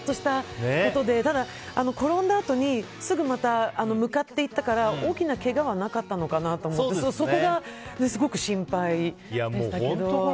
ただ、転んだあとにすぐまた向かっていったから大きなけがはなかったのかなと思ってそこがすごく心配でしたけど。